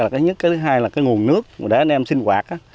cái thứ hai là cái nguồn nước để anh em sinh hoạt